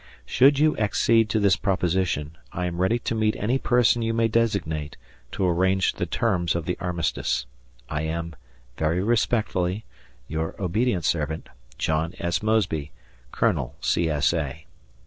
Should you accede to this proposition, I am ready to meet any person you may designate to arrange the terms of the armistice. I am, Very respectfully, Your obedient servant, John S. Mosby, Colonel C. S. A.